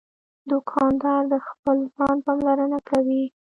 دوکاندار د خپل ځان پاملرنه کوي.